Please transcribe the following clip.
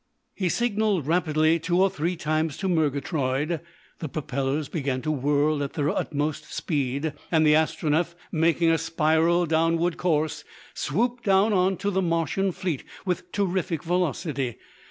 He signalled rapidly two or three times to Murgatroyd. The propellers began to whirl at their utmost speed, and the Astronef, making a spiral downward course, swooped down on to the Martian fleet with terrific velocity.